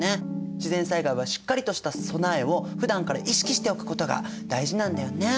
自然災害はしっかりとした備えをふだんから意識しておくことが大事なんだよね。